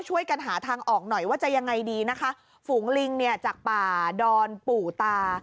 ช่วยกันหาทางออกหน่อยว่าจะยังไงดีนะคะฝูงลิงเนี่ยจากป่าดอนปู่ตา